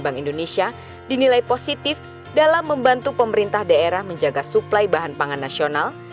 bank indonesia dinilai positif dalam membantu pemerintah daerah menjaga suplai bahan pangan nasional